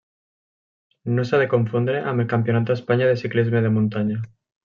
No s'ha de confondre amb el Campionat d'Espanya de ciclisme de muntanya.